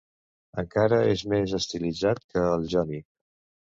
Encara és més estilitzat que el jònic.